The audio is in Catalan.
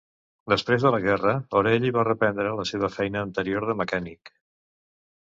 Després de la guerra, Orelli va reprendre la seva feina anterior de mecànic.